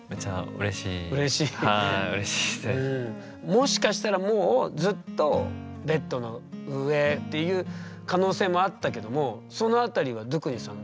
もしかしたらもうずっとベッドの上っていう可能性もあったけどもそのあたりはドゥクニさんはどう捉えてたんですか？